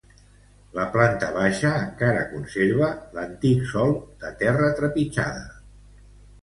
La planta baixa encara conserva l'antic sòl de terra trepitjada.